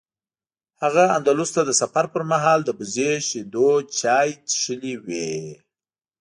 هغه اندلس ته د سفر پر مهال د وزې شیدو چای څښلي و.